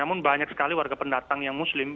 namun banyak sekali warga pendatang yang muslim